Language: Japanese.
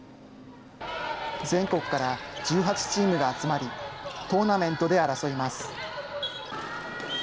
全国から１８チームが集まり、トーナメントで争います。